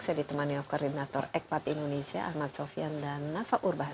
saya ditemani oleh koordinator ekpat indonesia ahmad sofian dan nafa urbah